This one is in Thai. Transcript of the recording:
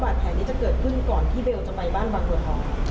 ก่อนที่เบลจะไปบ้านบังหัวฮอม